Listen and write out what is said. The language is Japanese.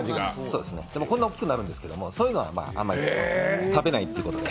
でも、こんなに大きくなるんですけど、そういうのはあまり食べないということで。